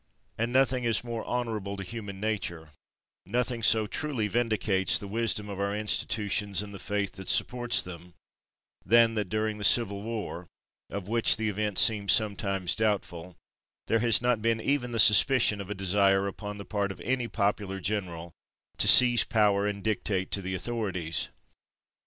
And nothing is more honorable to human nature, nothing so truly vindicates the wisdom of our institutions and the faith that supports them, than that during the Civil War, of which the event seemed sometimes doubtful, there has not been even the suspicion of a desire upon the part of any popular general to seize power and dictate to the authorities.